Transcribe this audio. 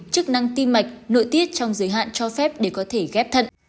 chức năng tim mạch nội tiết trong giới hạn cho phép để có thể ghép thận